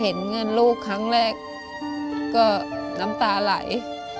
เงินลูกครั้งแรกก็น้ำตาไหล